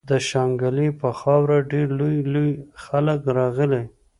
د شانګلې پۀ خاوره ډېر لوئ لوئ خلق راغلي